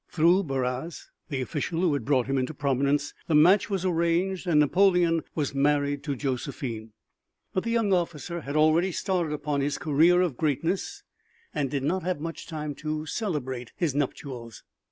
Through Barras, the official who had brought him into prominence, the match was arranged and Napoleon was married to Josephine. But the young officer had already started upon his career of greatness, and did not have much time to celebrate his nuptials.